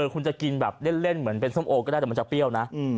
คุณจะกินแบบเล่นเหมือนเป็นส้มโอก็ได้แต่มันจะเปรี้ยวนะ